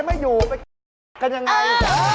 ไม่อยู่ไปกินกันยังไง